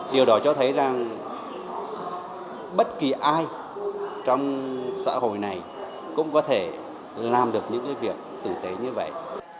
điều đó cho thấy rằng bất kỳ ai trong xã hội này cũng có thể làm được những việc tử tế như vậy